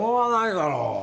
だろ